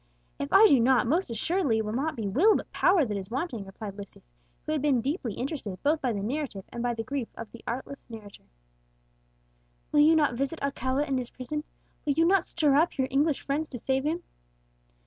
"If I do not, most assuredly it will not be will but power that is wanting," replied Lucius, who had been deeply interested both by the narrative and by the grief of the artless narrator. "Will you not visit Alcala in his prison? will you not stir up your English friends to save him?"